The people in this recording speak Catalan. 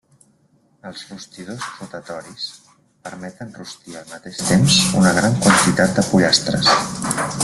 Els rostidors rotatoris permeten rostir al mateix temps una gran quantitat de pollastres.